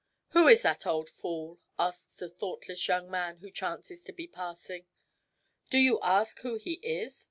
"Who is that old fool.?" asks a thoughtless young man who chances to be passing. " Do you ask who he is